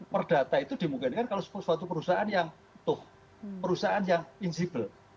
perdata itu dimungkinkan kalau suatu perusahaan yang insibel